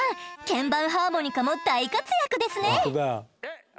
鍵盤ハーモニカも大活躍ですね。